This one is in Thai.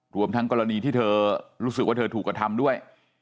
รวมทั้งกรณีที่เธอรู้สึกว่าเธอถูกกระทำด้วย